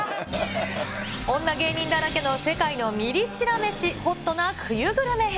女芸人だらけの世界のミリ知ら飯ＨＯＴな冬グルメ編。